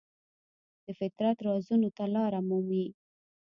د فطرت رازونو ته لاره مومي.